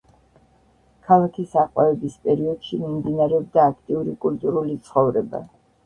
ქალაქის აყვავების პერიოდში მიმდინარეობდა აქტიური კულტურული ცხოვრება.